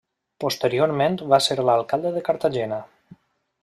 Posteriorment va ser alcalde de Cartagena.